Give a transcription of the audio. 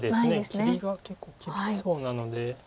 切りが結構厳しそうなので。